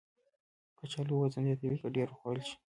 کچالو وزن زیاتوي که ډېر وخوړل شي